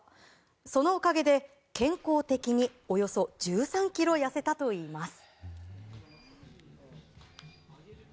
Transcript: そのおかげで、健康的におよそ１３ｋｇ痩せたといいます。